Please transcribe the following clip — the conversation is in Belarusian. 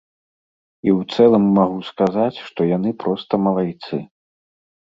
І ў цэлым магу сказаць, што яны проста малайцы.